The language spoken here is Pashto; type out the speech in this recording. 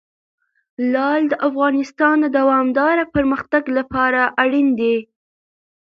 لعل د افغانستان د دوامداره پرمختګ لپاره اړین دي.